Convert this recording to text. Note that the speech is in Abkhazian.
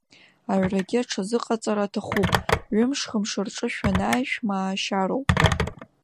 Аҩрагьы аҽазыҟаҵара аҭахуп, ҩымш-хымш рҿы шәанааи, шәмаашьароуп.